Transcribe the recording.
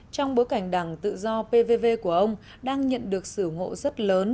trong bối cảnh đảng tự do pvv của ông đang nhận được sử ngộ rất lớn